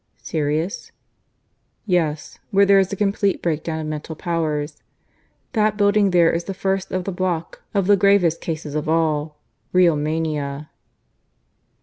"Serious?" "Yes; where there is a complete breakdown of mental powers. That building there is the first of the block of the gravest cases of all real mania."